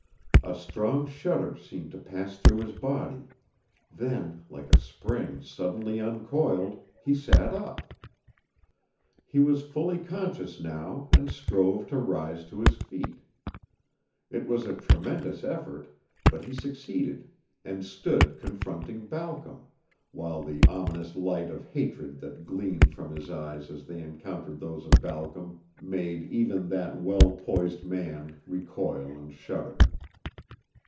A strong shudder seemed to pass through his body, then, like a spring suddenly uncoiled, he sat up. He was fully conscious now and strove to rise to his feet. It was a tremendous effort, but he succeeded, and stood confronting Balcom, while the ominous light of hatred that gleamed from his eyes as they encountered those of Balcom made even that well poised man recoil and shudder.